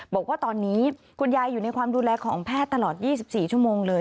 บอกว่าตอนนี้คุณยายอยู่ในความดูแลของแพทย์ตลอด๒๔ชั่วโมงเลย